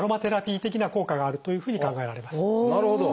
なるほど。